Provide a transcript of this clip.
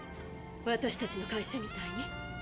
私たちの会社みたいに？